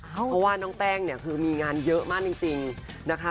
เพราะว่าน้องแป้งเนี่ยคือมีงานเยอะมากจริงนะคะ